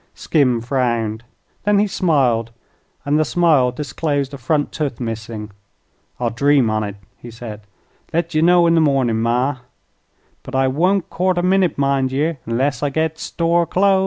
Skim frowned. Then he smiled, and the smile disclosed a front tooth missing. "I'll dream on't," he said. "Let ye know in the mornin', ma. But I won't court a minite, mind ye, 'nless I git store clothes."